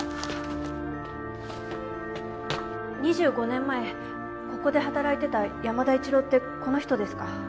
２５年前ここで働いてた山田一郎ってこの人ですか？